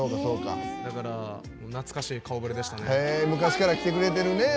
だから、懐かしい顔ぶれでしたね。